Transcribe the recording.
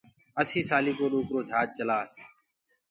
اسي سآلي ڪو ڏوڪرو جھاج چلآس